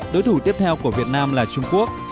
đối thủ tiếp theo của việt nam là trung quốc